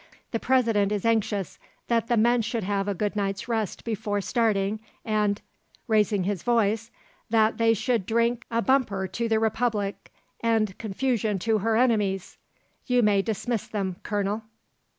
The President is anxious that the men should have a good night's rest before starting, and," raising his voice, "that they should drink a bumper to the Republic and confusion to her enemies. You may dismiss them, Colonel."